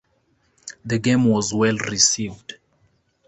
The game was well received.